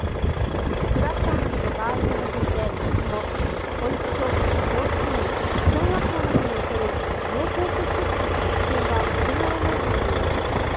クラスターなどの場合を除いて今後保育所、幼稚園、小学校などにおける濃厚接触者の特定は行わないとしています。